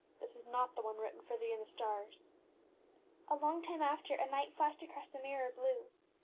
This is not the one written for thee in the stars. ŌĆÖ A long time after a knight flashed across the mirror blue.